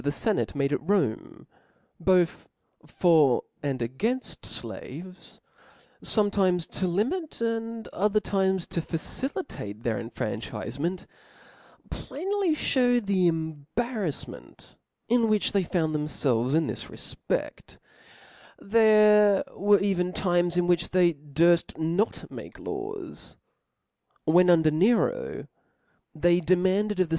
The feveral laws and decrees of the fcnate made at Rome, both for and againft flaves, fometimes to limit, and at other times to facilitate their in franchifcment, plainly fliew the embaraflment in which they found themfelves in this refpedt. There were even times in which they durfl: not make laws. When under Nero () they demanded of the